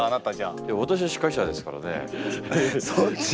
いや私は司会者ですからね。